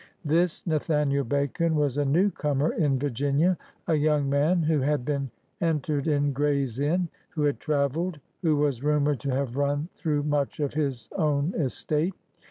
This Nathaniel Bacon was a newcomer in Virginia — a young man who had been entered in Gray's Inn, who had traveled, who was rumored to have run through much of his own estate.